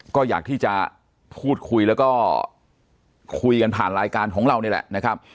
ก็อยากที่จะพูดคุยแล้วก็คุยกันผ่านรายการของเรานี่แหละนะครับ